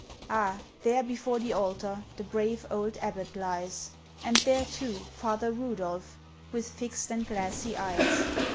Ah! there before the Altar, The brave old Abbot lies; And there, too, Father Rudolph, With fixed and glassy eyes.